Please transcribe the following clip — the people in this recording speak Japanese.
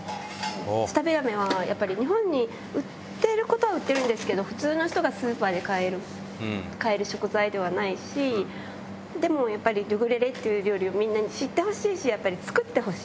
舌平目はやっぱり、日本に売ってることは売ってるんですけど、普通の人がスーパーで買える食材ではないし、でもやっぱり、デュグレレっていう料理をみんなに知ってほしいし、やっぱり作ってほしい。